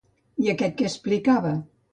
I aquest què explicava?